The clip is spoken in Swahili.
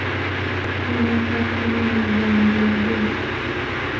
Inapakana na Bangladesh.